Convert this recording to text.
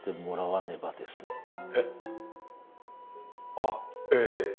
あぁええ。